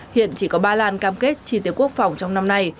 hiện chỉ có ba lan cam kết chi tiêu quốc phòng trong năm nay